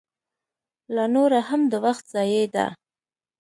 لا نوره هم د وخت ضایع ده.